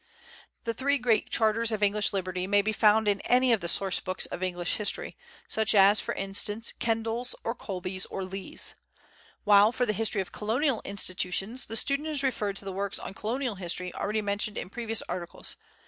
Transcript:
The three great charters of English liberty may be found in any of the source books of English history, such as, for instance, Kendall's or Colby's or Lee's; while, for the history of colonial institutions, the student is referred to the works on colonial history already mentioned in previous articles.